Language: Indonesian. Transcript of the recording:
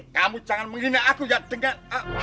kamu jangan menghina aku yang dengar